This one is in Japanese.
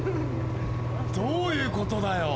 どういうことだよ